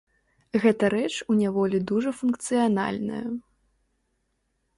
Гэта рэч у няволі дужа функцыянальная.